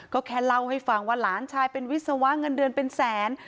ก็แค่เล่าให้ฟังว่าหลานชายเป็นวิศวะเงินเดือนเป็นแสน